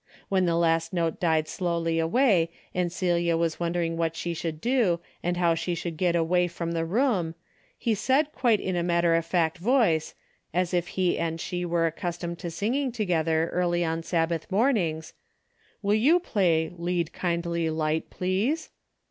When the last note died slowly away and Celia was wondering what she should do and how she should get away from the room, he said quite in a matter of fact voice, as if he and she were accustomed to singing together early on Sabbath mornings :" Will you play ' Lead Kindly Light,' please